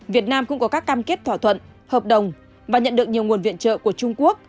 việt nam cũng có các cam kết thỏa thuận hợp đồng và nhận được nhiều nguồn viện trợ của trung quốc